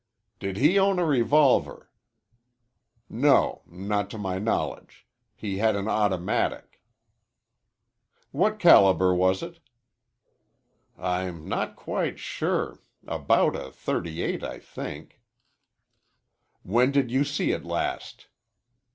"Did he own a revolver?" "No, not to my knowledge. He had an automatic." "What caliber was it?" "I'm not quite sure about a .38, I think." "When did you see it last?"